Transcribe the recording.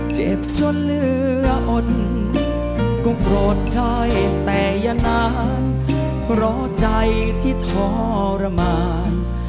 เจ็ดจนเหลืออดก็โกรธได้แต่อย่านาน